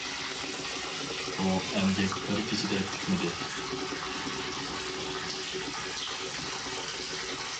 بۇ ئەمگەك بىر كېچىدە پۈتمىدى.